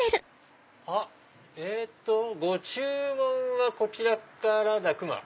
えっと「ご注文はこちらからだクマ！」。